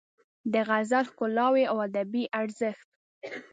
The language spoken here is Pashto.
د غزل ښکلاوې او ادبي ارزښت